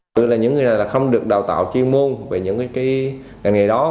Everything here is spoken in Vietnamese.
tựa là những người này không được đào tạo chuyên môn về những cái ngày đó